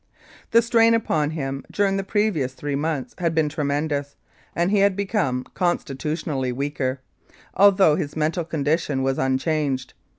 The strain upon him during the previous three months had been tremendous, and he had become con stitutionally weaker, although his mental condition was unchanged.